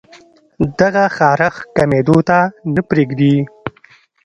دغه خارښ کمېدو ته نۀ پرېږدي